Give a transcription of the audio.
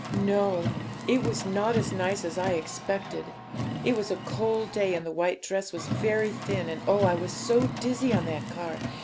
'No; it was not as nice as I expected. It was a cold day, and the white dress was very thin, and oh, I was so dizzy on that car!